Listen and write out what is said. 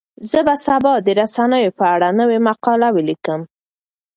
زه به سبا د رسنیو په اړه نوې مقاله ولیکم.